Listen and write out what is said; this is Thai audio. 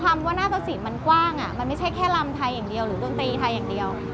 คำว่านาตสินมันกว้างมันไม่ใช่แค่ลำไทยอย่างเดียวหรือดนตรีไทยอย่างเดียว